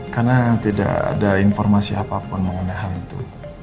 karena tidak ada informasi apapun mengenai hal itu